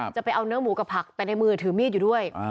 จะเอาเนื้อหมูกับผักไปในมือถือมีดอยู่ด้วย